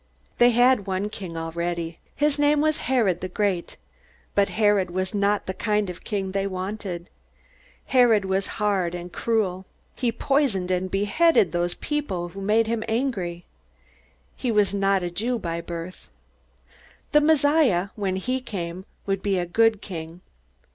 They had one king already. His name was Herod the Great. But Herod was not the kind of king they wanted. Herod was hard and cruel. He poisoned and beheaded those who made him angry. He was not a Jew by birth. The Messiah, when he came, would be a good king.